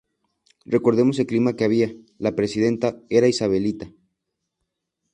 Recordemos el clima que había, la presidenta era Isabelita.